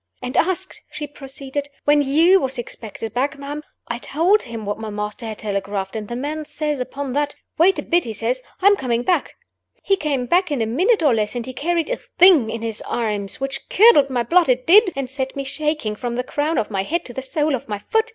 "And asked," she proceeded, "when you was expected back, ma'am. I told him what my master had telegraphed, and the man says upon that, 'Wait a bit,' he says; 'I'm coming back.' He came back in a minute or less; and he carried a Thing in his arms which curdled my blood it did! and set me shaking from the crown of my head to the sole of my foot.